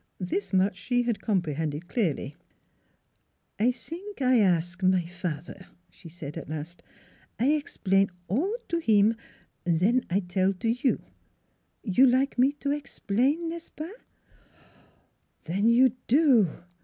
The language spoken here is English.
This much she had comprehended clearly. " I zink I ask my fat'er," she said at last. " I NEIGHBORS 279 ex plain all to heem, zen I tell to you You like me to ex plain, n' est ce pas? "" Then you do!